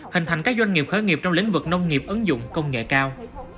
hình thành các doanh nghiệp khởi nghiệp trong lĩnh vực nông nghiệp ứng dụng công nghệ cao